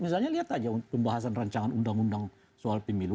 misalnya lihat aja pembahasan rancangan undang undang soal pemilu